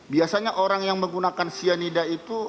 biasanya orang yang menggunakan cyanida itu